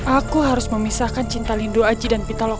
aku harus memisahkan cinta lindo aji dan pitaloka